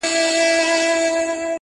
• د دښمن کره ځم دوست مي ګرو دی -